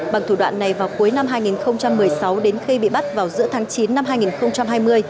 bằng thủ đoạn này vào cuối năm hai nghìn một mươi sáu đến khi bị bắt vào giữa tháng chín năm hai nghìn hai mươi